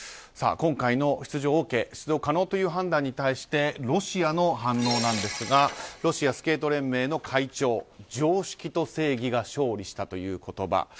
今回の出場可能という判断に対してロシアの反応なんですがロシアスケート連盟の会長常識と正義が勝利したという言葉。